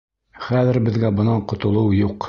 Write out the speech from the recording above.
Хәҙер беҙгә бынан ҡотолоу юҡ!